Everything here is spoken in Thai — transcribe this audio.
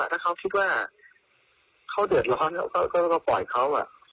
ถ้าเขาคิดว่าเขาเดือดร้อนเขาก็ปล่อยเขา